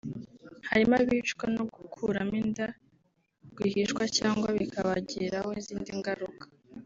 harimo abicwa no gukuramo inda rwihishwa cyangwa bikabagiraho izindi ngaruka